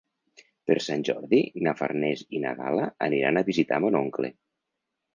Per Sant Jordi na Farners i na Gal·la aniran a visitar mon oncle.